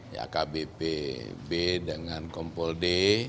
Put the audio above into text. ya kbp b dengan kompol d